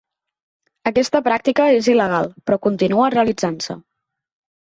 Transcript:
Aquesta pràctica és il·legal, però continua realitzant-se.